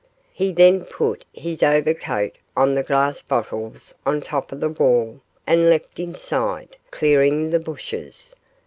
He then put his overcoat on the glass bottles on top of the wall and leapt inside, clearing the bushes.